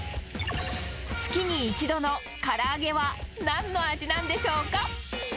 月に１度のから揚げは、なんの味なんでしょうか。